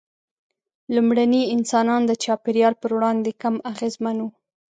لومړني انسانان د چاپېریال پر وړاندې کم اغېزمن وو.